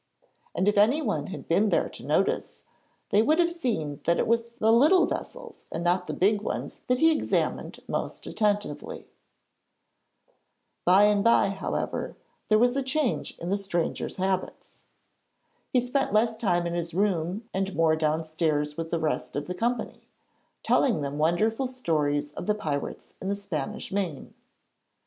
And if anyone had been there to notice, they would have seen that it was the little vessels and not the big ones that he examined most attentively. By and bye, however, there was a change in the stranger's habits. He spent less time in his room and more downstairs with the rest of the company, telling them wonderful stories of the pirates in the Spanish Main.